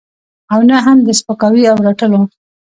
او نه هم د سپکاوي او رټلو.